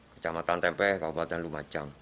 kecamatan tempe kabupaten lumajang